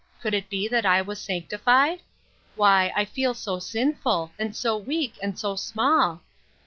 Could it be that I was sanctified? Why, I feel so sinful, and so weak, and so small